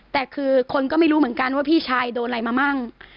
แต่คือคนก็ไม่รู้เหมือนกันว่าพี่ชายโดนอะไรมามั่ง